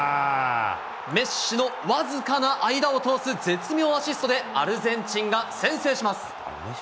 メッシの僅かな間を通す絶妙アシストで、アルゼンチンが先制します。